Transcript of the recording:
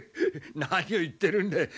何を言ってるんだい。